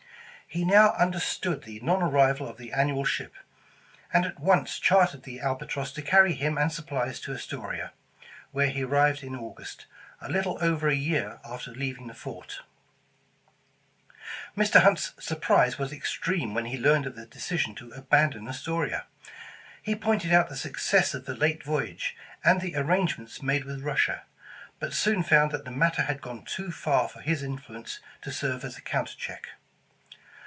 He now under stood the non arrival of the annual ship, and at once chartered the Albatross to carry him and supplies to Astoria, where he arrived in August, a little over a year after leaving the fort. Mr. Hunt's surprise was extreme when he learned of the decision to abandon Astoria. He pointed out the success of the late voyage, and the arrangements made with Russia, but soon found that the matter had gone too far for his influence to serve as a counter check.